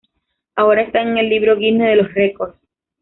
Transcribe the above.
Ahora está en el "Libro Guinness de los Records".